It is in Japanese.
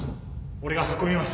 俺が運びます。